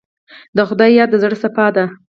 د خدای یاد د زړه صفا ده.